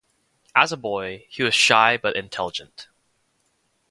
As a boy he was shy but intelligent.